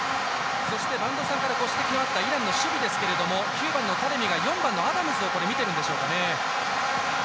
そして、播戸さんからご指摘のあったイランの守備ですけど９番のタレミが４番のアダムズを見ているんでしょうか。